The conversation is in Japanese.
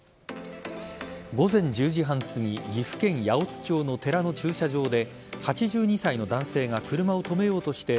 午前１０時半すぎ岐阜県八百津町の寺の駐車場で８２歳の男性が車を止めようとして